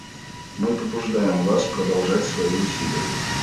Мы побуждаем вас продолжать свои усилия.